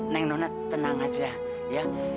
neng nona tenang aja ya